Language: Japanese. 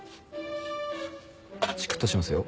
チクッとしますよ。